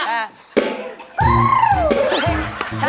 ชักเลยชัก